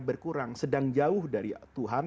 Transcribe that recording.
berkurang sedang jauh dari tuhan